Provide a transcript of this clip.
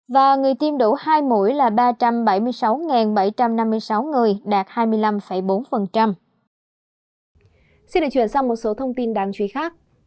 và người tiêm đủ hai mũi là ba trăm bảy mươi sáu bảy trăm năm mươi sáu người đạt hai mươi năm bốn